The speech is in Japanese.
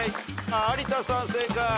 有田さん正解。